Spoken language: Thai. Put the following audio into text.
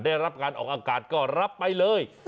ได้รับการออกอากาศก็รับไปเลย